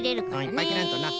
いっぱいきらんとな。